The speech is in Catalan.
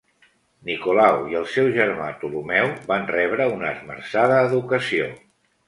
Nicolau i el seu germà Ptolemeu van rebre una esmerçada educació.